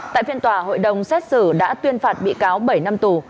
tại phiên tòa hội đồng xét xử đã tuyên phạt bị cáo bảy năm tù